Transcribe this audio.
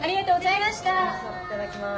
いただきます。